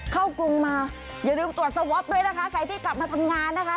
กรุงมาอย่าลืมตรวจสวอปด้วยนะคะใครที่กลับมาทำงานนะคะ